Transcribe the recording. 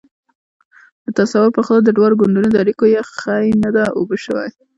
د تصور پر خلاف د دواړو ګوندونو د اړیکو یخۍ نه ده اوبه شوې.